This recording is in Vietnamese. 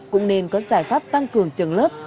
cũng nên có giải pháp tăng cường trường lớp